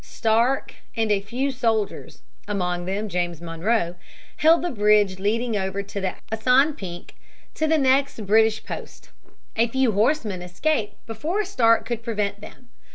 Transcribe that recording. Stark and a few soldiers among them James Monroe held the bridge leading over the Assanpink to the next British post. A few horsemen escaped before Stark could prevent them.